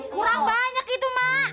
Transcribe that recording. kurang banyak itu mak